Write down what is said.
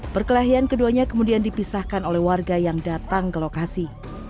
perkelahian keduanya kemudian dipisahkan oleh warga yang datang ke lokasi